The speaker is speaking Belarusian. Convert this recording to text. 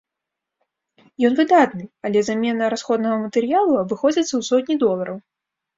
Ён выдатны, але замена расходнага матэрыялу абыходзіцца ў сотні долараў.